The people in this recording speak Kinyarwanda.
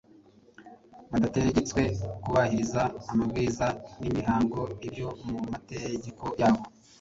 badategetswe kubahiriza amabwiriza n’imihango byo mu mategeko yabo